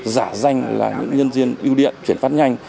giả danh là những nhân viên biêu điện chuyển phát nhanh